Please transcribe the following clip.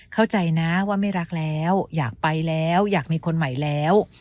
เข้าใจนะว่าไม่รักแล้วอยากไปแล้วอยากมีคนใหม่แล้ว